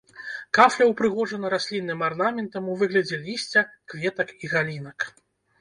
Кафля ўпрыгожана раслінным арнаментам у выглядзе лісця, кветак і галінак.